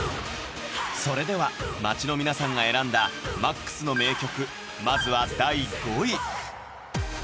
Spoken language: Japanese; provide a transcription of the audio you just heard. それでは街の皆さんが選んだ「ＭＡＸ」の名曲